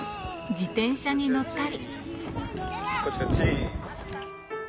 自転車に乗ったり。